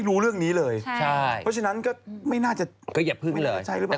ไม่รู้เรื่องนี้เลยแค่เพราะฉนั้นก็ไม่น่าจะไม่เข้าใจรึเปล่า